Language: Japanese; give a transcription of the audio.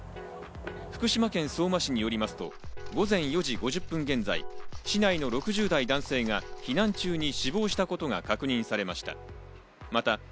福島県相馬市によりますと午前４時５０分現在、市内の６０代男性が避難中に死亡したことが確認されました。